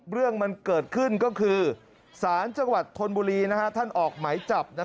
เรื่องมันเกิดขึ้นก็คือสารจังหวัดธนบุรีท่านออกหมายจับ